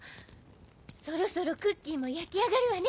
そろそろクッキーもやきあがるわね。